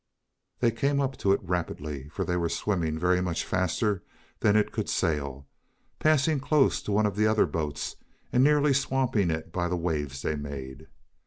They came up to it rapidly, for they were swimming very much faster than it could sail, passing close to one of the others and nearly swamping it by the waves they made.